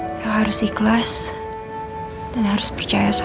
iya saya ketinduran